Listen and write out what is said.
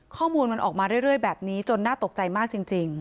ข้อมูลมันออกมาเรื่อยแบบนี้จนน่าตกใจมากจริง